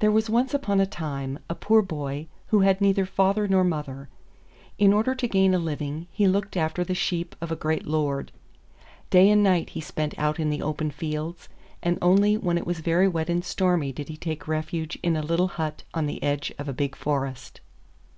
There was once upon a time a poor boy who had neither father nor mother. In order to gain a living he looked after the sheep of a great Lord. Day and night he spent out in the open fields, and only when it was very wet and stormy did he take refuge in a little hut on the edge of a big forest.